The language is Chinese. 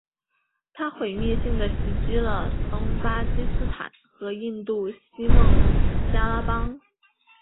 它毁灭性地袭击了东巴基斯坦和印度西孟加拉邦。